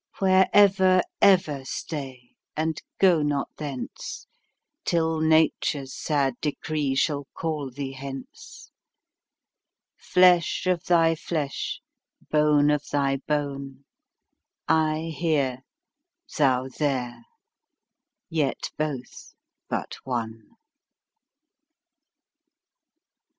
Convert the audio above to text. Where ever, ever stay, and go not thence, Till nature's sad decree shall call thee hence; Flesh of thy flesh, bone of thy bone, I here, thou there, yet both but one.